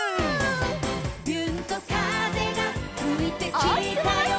「びゅーんと風がふいてきたよ」